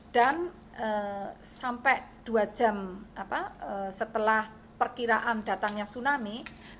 dan sampai dua jam setelah perkiraan datangnya tsunami